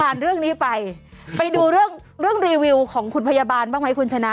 เรื่องนี้ไปไปดูเรื่องเรื่องรีวิวของคุณพยาบาลบ้างไหมคุณชนะ